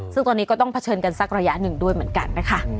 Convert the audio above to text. ซึ่งตอนนี้ก็ต้องเผชิญกันสักระยะหนึ่งด้วยเหมือนกันนะคะ